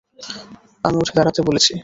আমি উঠে দাঁড়াতে বলেছি!